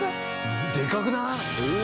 でかくない？